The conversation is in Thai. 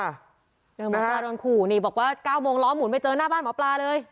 หมอปลาโดนขู่นี่บอกว่า๙โมงล้อหมุนไปเจอหน้าบ้านหมอปลาเลย